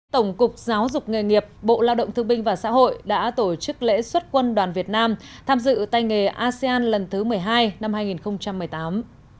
tổng cục giáo dục nghề nghiệp bộ lao động thương binh và xã hội đã tổ chức lễ xuất quân đoàn việt nam tham dự tay nghề asean lần thứ một mươi hai năm hai nghìn một mươi tám